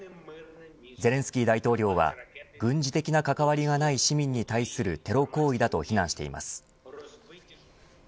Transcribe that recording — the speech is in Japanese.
ゼレンスキー大統領は軍事的な関わりがない市民に対するテロ行為だと非難しています。